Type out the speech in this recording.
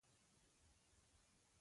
مالګه د خولې خوند بدلون ورکوي.